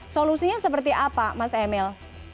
solusinya seperti apa mas emil